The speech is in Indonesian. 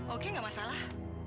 oke gak masalah